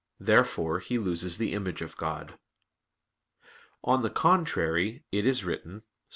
Therefore he loses the image of God. On the contrary, It is written (Ps.